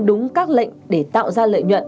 đúng các lệnh để tạo ra lợi nhuận